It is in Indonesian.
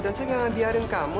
dan saya tidak akan membiarkan kamu